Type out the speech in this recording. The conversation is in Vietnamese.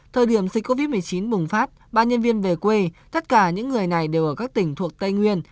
thời điểm dịch covid một mươi chín bùng phát ba nhân viên về quê tất cả những người này đều ở các tỉnh thuộc tây nguyên